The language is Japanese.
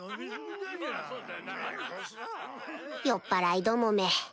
酔っぱらいどもめ